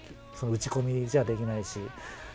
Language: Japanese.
打ち込みじゃできないし。